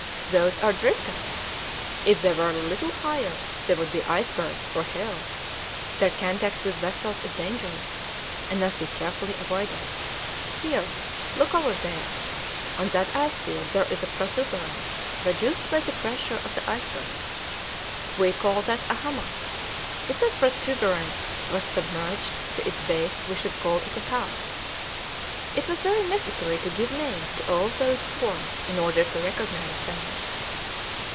"Those are drift ice; if they were a little higher they would be icebergs or hills; their contact with vessels is dangerous, and must be carefully avoided. Here, look over there: on that ice field there is a protuberance produced by the pressure of the icebergs; we call that a hummock; if that protuberance was submerged to its base we should call it a calf. It was very necessary to give names to all those forms in order to recognise them."